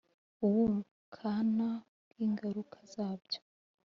ubukana bw ingaruka zabyo